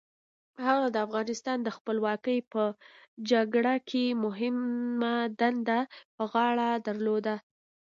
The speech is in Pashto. هغه د افغانستان د خپلواکۍ په جګړه کې مهمه دنده په غاړه درلوده.